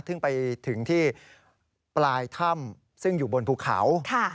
ซึ่งไปถึงที่ปลายถ้ำซึ่งอยู่บนภูเขา